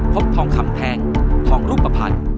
พบทองคำแทงทองรูปภัณฑ์